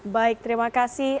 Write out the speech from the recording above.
baik terima kasih